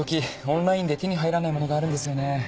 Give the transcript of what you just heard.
オンラインで手に入らないものがあるんですよね。